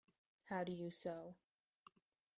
How do you sew?